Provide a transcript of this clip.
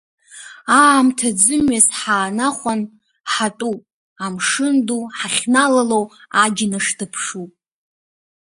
Аамҭа ӡымҩас ҳаанахәан, ҳатәуп, амшын ду ҳахьналало аџьныш дыԥшуп.